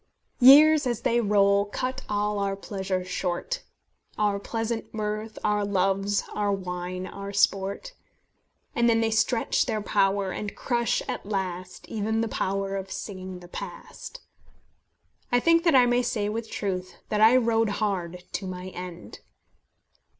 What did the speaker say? "Years as they roll cut all our pleasures short; Our pleasant mirth, our loves, our wine, our sport. And then they stretch their power, and crush at last Even the power of singing of the past." I think that I may say with truth that I rode hard to my end.